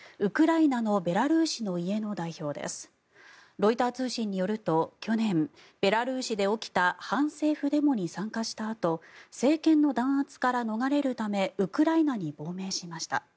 ロイター通信によると去年ベラルーシで起きた反政府デモに参加したあと政権の弾圧から逃れるためウクライナに亡命しました。